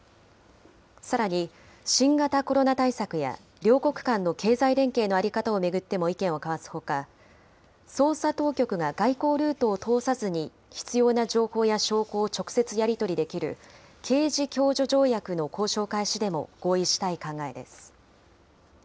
さらに、新型コロナ対策や両国間の経済連携の在り方を巡っても意見を交わすほか、捜査当局が外交ルートを通さずに必要な情報や証拠を直接やり取りできる、刑事共助条約の交渉開始でも合意したい考えです。